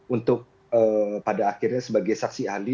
untuk pada akhirnya sebagai saksi ahli